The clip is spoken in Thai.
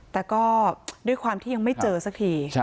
แต่ก็ด้วยความที่ยังไม่เจอสักที